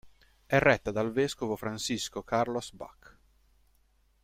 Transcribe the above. È retta dal vescovo Francisco Carlos Bach.